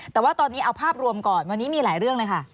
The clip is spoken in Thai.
แต่ว่าตอนนี้เอาภาพรวมก่อนวันนี้มีหลายเรื่องเลยค่ะ